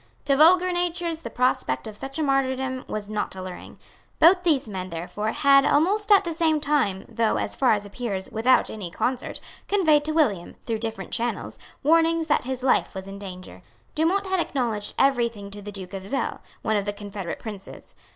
To vulgar natures the prospect of such a martyrdom was not alluring. Both these men, therefore, had, almost at the same time, though, as far as appears, without any concert, conveyed to William, through different channels, warnings that his life was in danger. Dumont had acknowledged every thing to the Duke of Zell, one of the confederate princes.